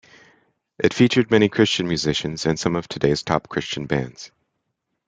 It featured many Christian musicians and some of today's top Christian bands.